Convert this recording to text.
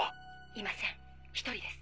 いません１人です。